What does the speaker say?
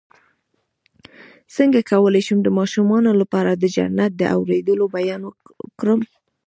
څنګه کولی شم د ماشومانو لپاره د جنت د اوریدلو بیان کړم